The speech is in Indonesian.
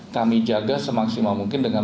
kami jaga semaksimal mungkin dengan